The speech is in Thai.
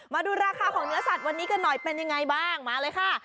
มาดูราคาของเนื้อสัตว์วันนี้กันหน่อยเป็นยังไงบ้างมาเลยค่ะ